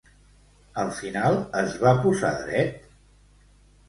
Al final es va posar dret?